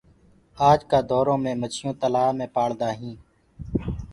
آج ڪآ دورو مي مڇيونٚ تلهآ مي پآݪدآ هينٚ